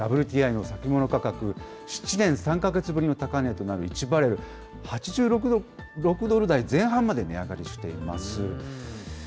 ＷＴＩの先物価格、７年３か月ぶりの高値となる１バレル８６ドル台前半まで値上がりしています。